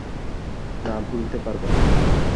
না ভুলতে পারব না।